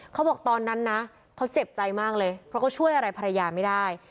เขาบอกตอนนั้นนะเขาเจ็บใจมากเลยเพราะเขาช่วยอะไรภรรยาไม่ได้